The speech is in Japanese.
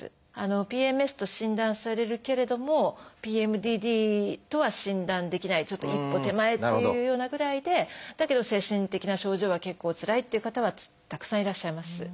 「ＰＭＳ」と診断されるけれども「ＰＭＤＤ」とは診断できないちょっと一歩手前っていうようなぐらいでだけど精神的な症状は結構つらいっていう方はたくさんいらっしゃいます。